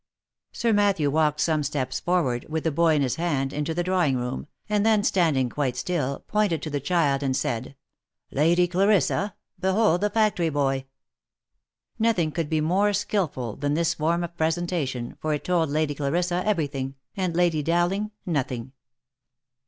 Sir Matthew walked some steps forward, with the boy in his hand, into the drawing room, and then standing quite still, pointed to the child, and said, " Lady Clarissa ! behold the factory boy !" Nothing could be more skilful than this form of presentation, for it told Lady Clarissa every thing, and Lady Dowling nothing.